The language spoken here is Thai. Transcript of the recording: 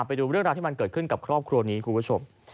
ไปดูเรื่องราวที่มันเกิดขึ้นกับครอบครัวนี้คุณผู้ชม